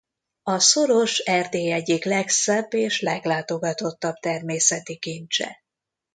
A szoros Erdély egyik legszebb és leglátogatottabb természeti kincse.